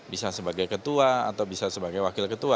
bisa sebagai ketua atau bisa sebagai wakil ketua